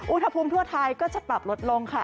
อุณหภูมิทั่วไทยก็จะปรับลดลงค่ะ